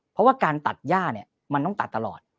เพราะว่าการตัดย่าเนี่ยมันต้องตัดตลอด